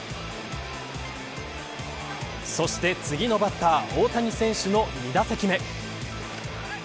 そして次のバッター大谷選手の２打席目。